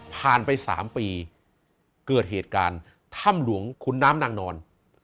ผ่านไป๓ปีเกิดเหตุการณ์ถ้ำหลวงขุนน้ำนางนอน